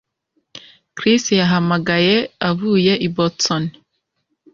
Chris yahamagaye avuye i Boston